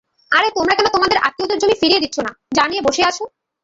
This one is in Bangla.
আরে তোমরা কেন তোমাদের আত্মীয়দের জমি ফিরিয়ে দিচ্ছ না, যা নিয়ে বসে আছো।